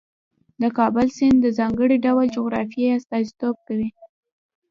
د کابل سیند د ځانګړي ډول جغرافیې استازیتوب کوي.